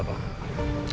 sebentar aja ya